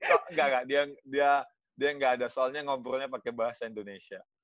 enggak enggak dia nggak ada soalnya ngobrolnya pakai bahasa indonesia